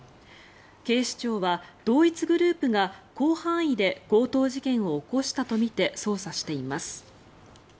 警視庁は同一グループが広範囲で強盗事件を起こしたとみて捜査しています。